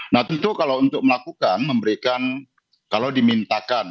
nah tentu kalau untuk melakukan memberikan kalau dimintakan